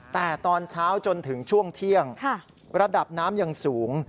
แต่ตอนเช้าจนถึงช่วงเที่ยงระดับน้ำยังสูง